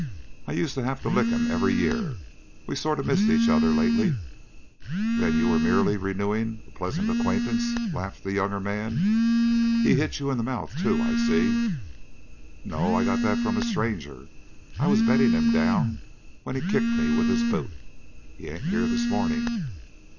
I used to have to lick him every year. We've sort of missed each other lately." "Then you were merely renewing a pleasant acquaintance?" laughed the younger man. "He hit you in the mouth too, I see." "No, I got that from a stranger. I was bedding him down when he kicked me with his boot. He ain't here this morning."'